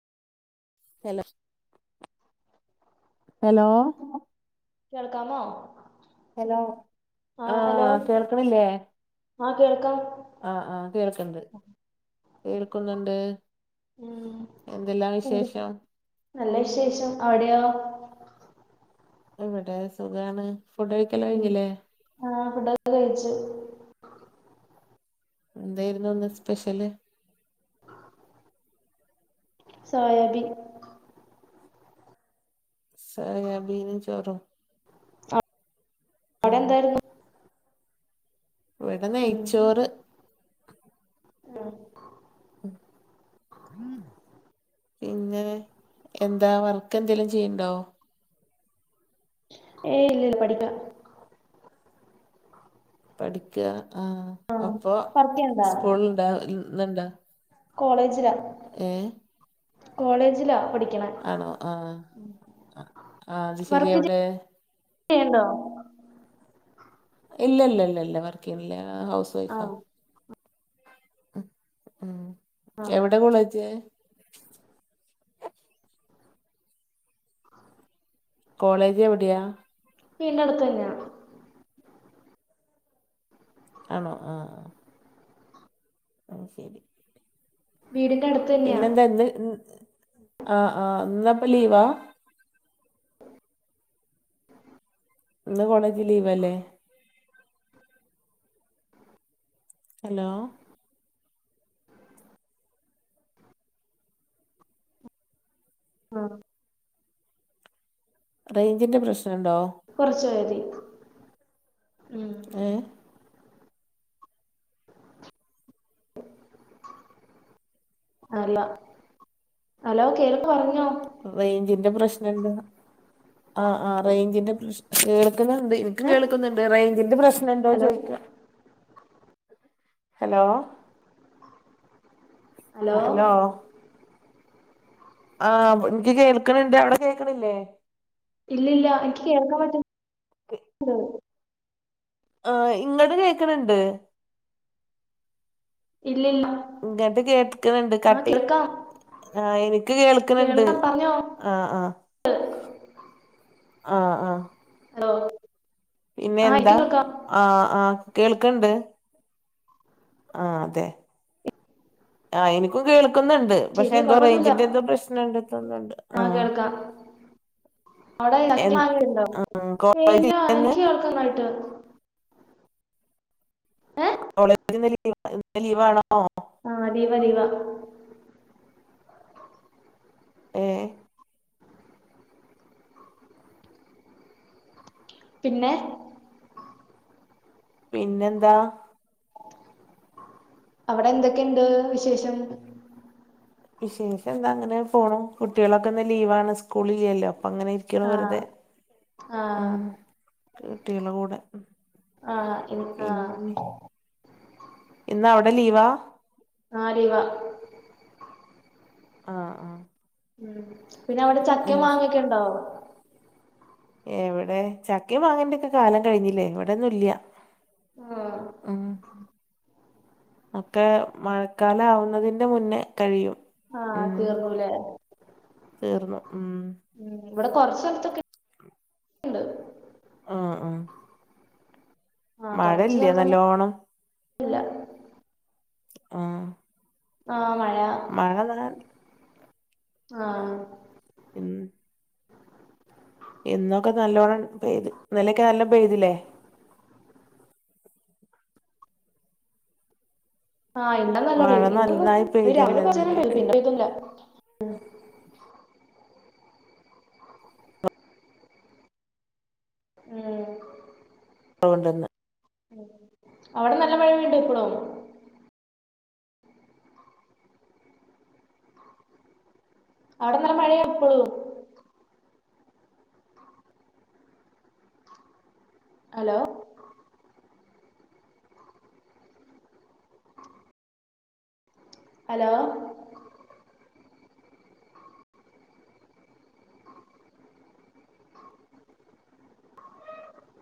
[unintelligible] Hello കേൾക്കാമോ hello ആഹ് കേൾക്കണില്ലേ. ആഹ് കേൾക്കാം ആഹ് ആഹ് കേൾക്കണ്ട് കേൾക്കുന്നുണ്ട്. ഉം എന്തെല്ലാ എന്ത് വിശേഷം നല്ല വിശേഷം അവിടെയൊ? ഇവിടെ സുഖാണ് ഫുഡ് കഴിക്കല് ഉം കഴിഞ്ഞിലേ ആഹ് ഫുഡൊക്കെ കഴിച്ചു. എന്തായിരുന്നു ഇന്ന് സ്പെഷ്യല് സോയാബീൻ സോയബീനും ചോറും അവിടെ ആഹ് എന്തായിരുന്നു ഇവിടെ ഉം നെയ്ച്ചോറ് ഉം. ഉം പിന്നെ എന്താ വർക്ക് എന്തെങ്കിലും ചെയ്യണ്ടോ? ഏയ് ഇല്ല ഇല്ല പഠിക്ക പഠിക്ക ആഹ് അപ്പൊ വർക്ക് ചെയ്യണ്ടാ സ്കൂളുണ്ട ഇന്നണ്ടോ? കോളേജില. ഏഹ് കോളേജിലാ പഠിക്കണെ. ആണോ ആഹ് ആഹ് അത് ശരി വർക്ക് എവിടെ [unintelligible] ഇല്ല ഇല്ല ഇല്ല ഇല്ല വർക്ക് ചെയ്യുന്നില്ല ഹൗസ് വൈഫാ. ആഹ് ആഹ് ആഹ് എവിടെ കോളേജ് കോളേജ് എവിടെയാ? വീടിന് അടുത്ത് തന്നെയാ ആണോ ആഹ് ആഹ് ഓ ശെരി. വീടിന്റെ അടുത്ത് തന്നെയാ പിന്നെന്താ ഇന്ന് ആഹ് ആഹ് ഇന്നപ്പോ ലീവാ ഇന്ന് കോളേജ് ലീവല്ലേ ഹലോ ആഹ് റൈഞ്ചിൻ്റെ പ്രശ്നമുണ്ടോ കുറച്ച് പോയാ മതി ഉം. ഏഹ് [inaudible] അല്ല അലോ കേൾക്ക പറഞ്ഞോ? റേഞ്ചിന്റെ പ്രശ്നുണ്ട് ആഹ് ആഹ് റേഞ്ചിന്റെ പ്രശ് കേൾക്കുന്നുണ്ട്. ഏഹ് കേൾക്കുന്നുണ്ട് റേജിന്റെ പ്രശ്നം ഉണ്ടോ ഹലോ ചോയിക്ക ഹലോ അഹ് ഹലോ ആഹ് എനിക്ക് കേൾക്കണണ്ട് അവിടെ കേക്കണില്ലേ. ഇല്ല ഇല്ല എനിക്ക് കേൾക്കാൻ പറ്റുന്നണ്ട് ആഹ് ഇങ്ങട്ട് കേൾക്കണണ്ട് ഇല്ലല്ല. ഇങ്ങട്ട് കേക്കുന്നുണ്ട് കട്ടി ആഹ എനിക്ക് കേൾക്കണ് ണ്ട്. കേൾക്കാം പറഞ്ഞോ ആഹ് ആഹ ആഹ ആഹ ആ പിന്നെ എന്താ എനിക്ക് കേൾക്കാം ആ ആ കേൾക്കണ്ട്. ആഹ അതെ ആ എനിക്കും കേൾക്കുന്നുണ്ട് പക്ഷെ ശരി എന്തോ കുഴപ്പമൊന്നുമില്ല റേഞ്ചിന്റെ എന്തോ പ്രശ്നം ഉണ്ടത്തുന്നുണ്ട് ആ [inaudible] അവിടെ എ [unintelligible] ണ്ടോ?, കോളേജ് ഇല്ലാ ഇന്ന് എനിക്ക് കേൾക്കാം കട്ട്. ഏഹ്? കോളേജിന്ന് ലീ ഇന്ന് ലീവാണോ? ആ ലീവാ ലീവാ. ഏഹ് പിന്നെ? പിന്നെന്താ? അവടെ എന്തൊക്കെണ്ട് വിശേഷം? വിശേഷം എന്താ അങ്ങനെ പോണു. കുട്ടികളൊക്ക്‌ന്ന് ലീവാണ് സ്കൂള്ല്ലല്ലോ അപ്പൊങ്ങനെ രിക്കാണ് ആ വെറ്തെ. ആ ഉം, കുട്ടിയേളെ കൂടെ. ആഹ് ഇന്നോ? പിന്നെ ഇന്ന് അവ്ടെ ലീവാ? ആ ലീവാ. ആഹ് ആഹ്. ഉം പിന്നെ അവിടെ അത് ചക്കേം ശരി മാങ്ങക്കെണ്ടോ? എവിടെ ചക്കീം മാങ്ങേന്റൊക്കെ കാലം കഴിഞ്ഞില്ലേ ഇവിടന്നും ഇല്ല്യാ. ആഹ്. ഉം, ഒക്കെ മഴക്കാലാവുന്നതിന്റെ മുന്നേ കഴിയും. ആഹ് ഉം തീർന്നൂലേ? തീർന്നു ഉം. ഉം ഇവ്ടെ കൊറച്ചൽത്തൊക്കെ ആ ആഹ്. മഴല്ലേ നല്ലോണം? ഇപ്പല്ലാ. ആ ആഹ് മഴ [unintelligible] ആഹ്. ഉം ഇന്നൊക്കെ നല്ലോണംപെയ്ത്. ഇന്നലൊക്കെ നല്ലോണം പെയ്തിലേ? ആഹ് ഇന്നലെ നല്ലോം മഴ പെയ്തു. നന്നായി ഇന്നൊന്നും രാവിലെ പെയ്തല്ലോ കൊറച്ചേരം പെയ്തു. ഇന്നലെയൊക്കെ പിന്നെ പെയ്തില്ല ആ [unintelligible] ഉം, അവടെ നല്ലം മഴ പെയ്തുക്കുണോ? ആടെ നല്ല മഴയ എപ്പളും ഹലോ, ഹലോ,